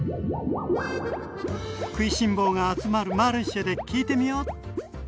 食いしん坊が集まるマルシェで聞いてみよっ。